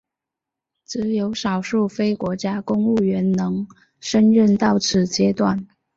只有少数非国家公务员能升任到此阶级。